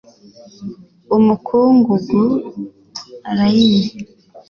umukungugu, allayne.